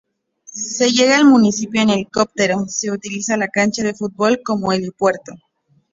Se llega al municipio en helicóptero, se utiliza la cancha de fútbol como helipuerto.